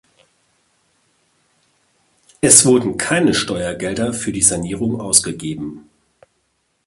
Es wurden keine Steuergelder für die Sanierung ausgegeben.